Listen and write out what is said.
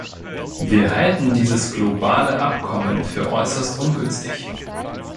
Wir halten dieses globale Abkommen für äußerst ungünstig.